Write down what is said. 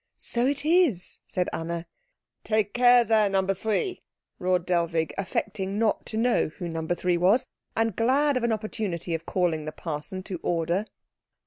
"So it is," said Anna. "Take care there, No. 3!" roared Dellwig, affecting not to know who No. 3 was, and glad of an opportunity of calling the parson to order.